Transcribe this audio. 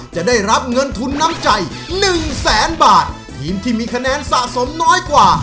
จะได้รับเงินทุนน้ำใจหนึ่งแสนบาททีมที่มีคะแนนสะสมน้อยกว่า